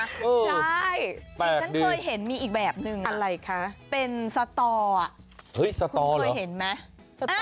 ใช่สิ่งฉันเคยเห็นมีอีกแบบนึงอ่ะเป็นสตออ่ะคุณเคยเห็นมั้ยเอ้ยสตอเหรอ